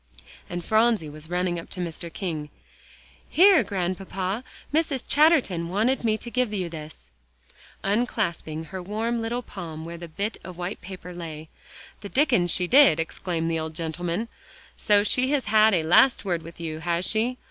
And Phronsie was running up to Mr. King: "Here, Grandpapa, Mrs. Chatterton wanted me to give you this," unclasping her warm little palm where the bit of white paper lay. "The Dickens she did," exclaimed the old gentleman; "so she has had a last word with you, has she?